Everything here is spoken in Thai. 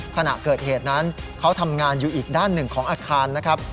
ขณะเกิดเหตุนั้นเขาทำงานอยู่อีกด้านหนึ่งของอาคารนะครับ